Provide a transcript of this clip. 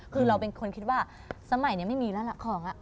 คือเราเป็นคนคิดว่าสมัยนี้ไม่มีแล้วล่ะของ